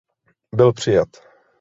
Byl přijat.